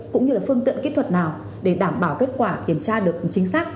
cũng như là phương tiện kỹ thuật nào để đảm bảo kết quả kiểm tra được chính xác